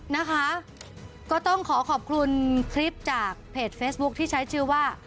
นะคะก็ต้องขอขอบคุณคลิปจากเพจเฟซบุ๊คที่ใช้ชื่อว่า